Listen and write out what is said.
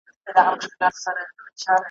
زنداني ، خو نه مجرم یې نه قاتله